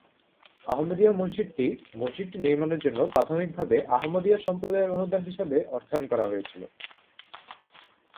আহমদিয়া মসজিদটি মসজিদটি নির্মাণের জন্য প্রাথমিকভাবে আহমদিয়া সম্প্রদায়ের অনুদান হিসেবে অর্থায়ন করা হয়েছিল।